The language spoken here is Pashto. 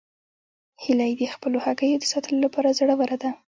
هیلۍ د خپلو هګیو د ساتلو لپاره زړوره ده